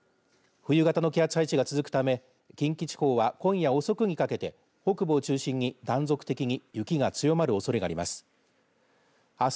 冬型の気圧配置が続くため近畿地方は今夜遅くにかけて北部を中心に断続的に雪が強まるおそれがあります。